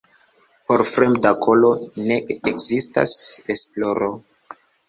Por fremda koro ne ekzistas esploro.